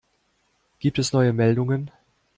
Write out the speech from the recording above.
Gibt es neue Meldungen?